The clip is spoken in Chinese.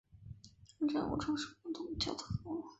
昂尚站暂无城市公共交通服务。